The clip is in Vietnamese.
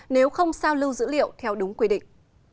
nếu không sao lưu dữ liệu theo đúng quy định